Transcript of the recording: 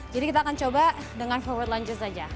jadi kita akan coba dengan forward lunges aja